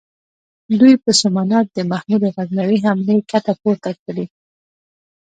دوی په سومنات د محمود غزنوي حملې کته پورته کړې.